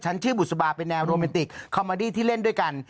ชื่อบุษบาเป็นแนวโรแมนติกคอมมาดี้ที่เล่นด้วยกัน